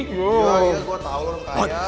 iya gue tau orang kaya